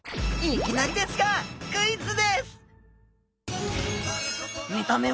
いきなりですがクイズです！